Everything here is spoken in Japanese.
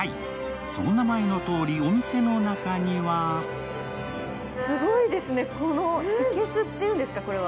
その名前のとおりお店の中にはすごいですね、このいけすっていうんですか、これは。